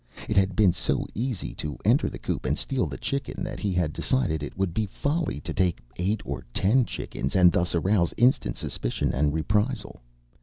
It had been so easy to enter the coop and steal the chicken that he had decided it would be folly to take eight or ten chickens and thus arouse instant suspicion and reprisal.